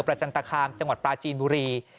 จันตคามจังหวัดปลาจีนบุรี